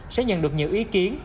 sẽ nhận được nhiều ý kiến